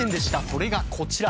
それがこちら。